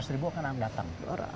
tiga ratus ribu akan datang